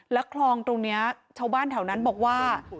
แล้วคลองตรงนี้ชาวบ้านแถวนั้นบอกว่า